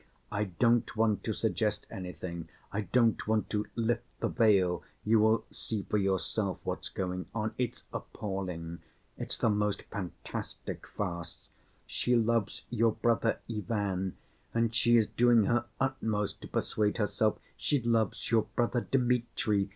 "I don't want to suggest anything, I don't want to lift the veil, you will see for yourself what's going on. It's appalling. It's the most fantastic farce. She loves your brother, Ivan, and she is doing her utmost to persuade herself she loves your brother, Dmitri.